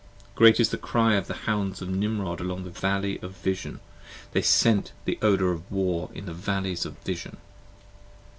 Great is the cry of the Hounds of Nimrod along the Valley Of Vision, they scent the odor of War in the Valley of Vision.